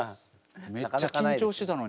めっちゃ緊張してたのに。